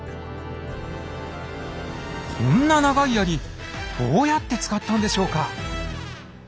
こんな長い槍どうやって使ったんでしょうか？